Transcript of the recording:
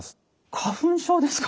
花粉症ですか。